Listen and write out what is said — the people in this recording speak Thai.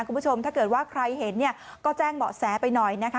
คุณผู้ชมถ้าเกิดว่าใครเห็นเนี่ยก็แจ้งเบาะแสไปหน่อยนะคะ